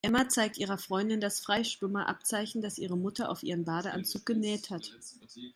Emma zeigt ihrer Freundin das Freischwimmer-Abzeichen, das ihre Mutter auf ihren Badeanzug genäht hat.